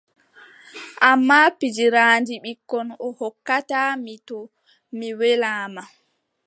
Ammaa pijiraandi ɓikkon o hokkata mi to mi weelaama.